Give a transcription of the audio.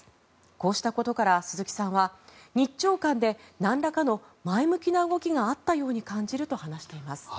こうしたことから、鈴木さんは日朝間でなんらかの前向きな動きがあったように感じると話しています。